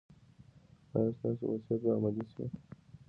ایا ستاسو وصیت به عملي شي؟